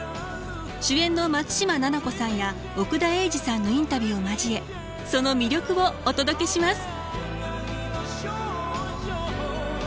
主演の松嶋菜々子さんや奥田瑛二さんのインタビューを交えその魅力をお届けします！